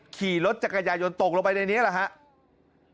ขี่รถจักรยายนตกลงไปในนี้แหละครับ